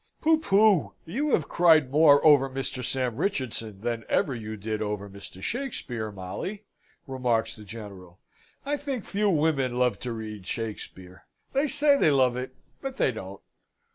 "Pooh, pooh! you have cried more over Mr. Sam Richardson than ever you did over Mr. Shakspeare, Molly!" remarks the General. "I think few women love to read Shakspeare: they say they love it, but they don't."